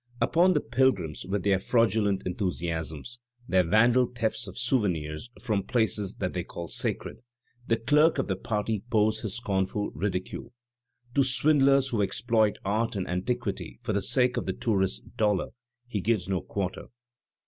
Upon the "pilgrims'* with their fraud ulent enthusiasms, their vandal thefts of " souvenirs from places that they call sacred, the clerk of the party pours his scornful ridicule. To swindlers who exploit art and antiq uity for the sake of the tourist*s dollar he gives no quarter.